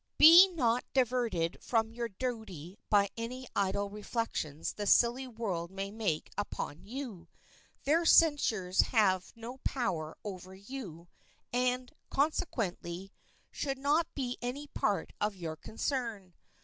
Be not diverted from your duty by any idle reflections the silly world may make upon you. Their censures have no power over you, and, consequently, should not be any part of your concern.